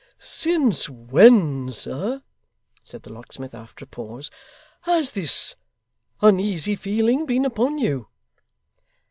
'Since when, sir,' said the locksmith after a pause, 'has this uneasy feeling been upon you?